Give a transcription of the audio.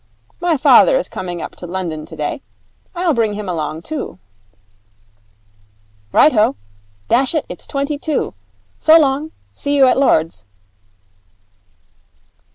My father is coming up to London today. I'll bring him along, too.' 'Right ho. Dash it, it's twenty to. So long. See you at Lord's.'